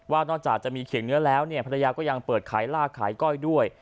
นอกจากจะมีเขียงเนื้อแล้วเนี่ยภรรยาก็ยังเปิดขายลากขายก้อยด้วย